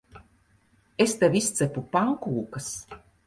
Es tev izcepu pankūkas.